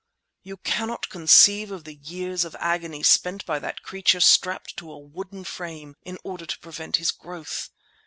You cannot conceive of the years of agony spent by that creature strapped to a wooden frame—in order to prevent his growth!